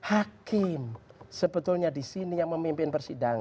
hakim sebetulnya di sini yang memimpin persidangan